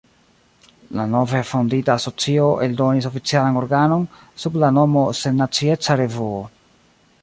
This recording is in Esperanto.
La nove fondita asocio eldonis oficialan organon, sub la nomo "Sennacieca Revuo".